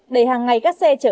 đang thử việc